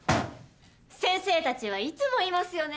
先生たちはいつも言いますよね。